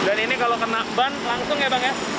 dan ini kalau kena ban langsung ya bang ya